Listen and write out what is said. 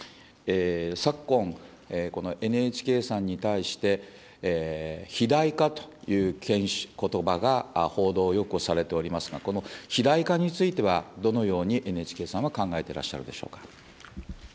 昨今、このＮＨＫさんに対して、肥大化ということばが報道をよくされておりますが、この肥大化については、どのようにＮＨＫさんは考えてらっしゃるでしょうか。